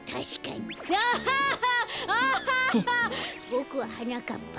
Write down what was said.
ボクははなかっぱ。